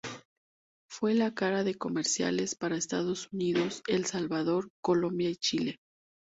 Fue la cara de comerciales para Estados Unidos, El Salvador, Colombia y Chile.